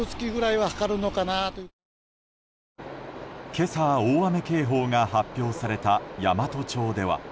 今朝、大雨警報が発表された山都町では。